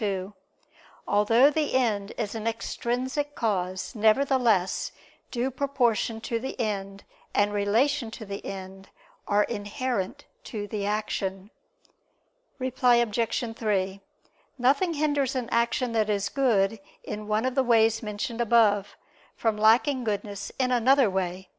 2: Although the end is an extrinsic cause, nevertheless due proportion to the end, and relation to the end, are inherent to the action. Reply Obj. 3: Nothing hinders an action that is good in one of the ways mentioned above, from lacking goodness in another way.